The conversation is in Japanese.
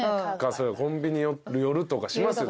コンビニ寄るとかしますよ